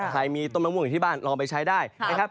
ใครมีต้มมะม่วงอย่างที่บ้านลองไปใช้ได้